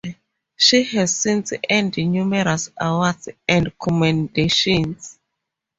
She has since earned numerous awards and commendations.